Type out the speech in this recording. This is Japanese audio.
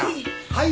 はい。